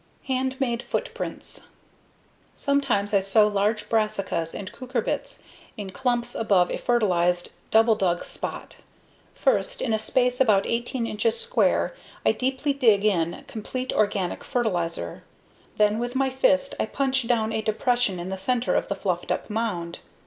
Handmade Footprints Sometimes I sow large brassicas and cucurbits in clumps above a fertilized, double dug spot. First, in a space about 18 inches square, I deeply dig in complete organic fertilizer. Then with my fist I punch down a depression in the center of the fluffed up mound.